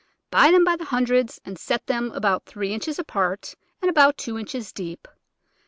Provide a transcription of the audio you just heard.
Buy them by the hundred and set about three inches apart and about two inches deep.